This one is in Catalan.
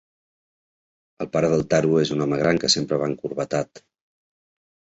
El pare del Taro és un home gran que sempre va encorbatat.